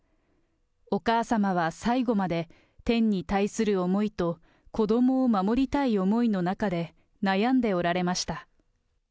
お母様は最後まで、天に対する思いと子どもを守りたい思いの中で悩んでおられました。